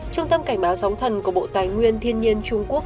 trung tâm cảnh báo sóng thần của bộ tài nguyên thiên nhiên trung quốc